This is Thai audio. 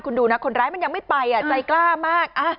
คุณดูนะคนร้ายมันยังไม่ไปใจกล้ามาก